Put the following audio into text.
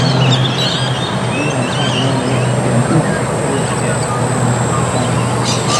鲫碘泡虫为碘泡科碘泡虫属的动物。